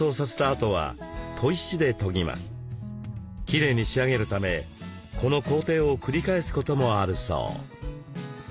きれいに仕上げるためこの工程を繰り返すこともあるそう。